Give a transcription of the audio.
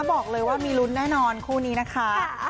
บอกเลยว่ามีลุ้นแน่นอนคู่นี้นะคะ